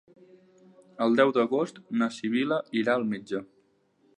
El deu d'agost na Sibil·la irà al metge.